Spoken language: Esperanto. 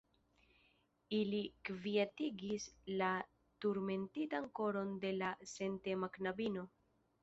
Ili kvietigis la turmentitan koron de la sentema knabino.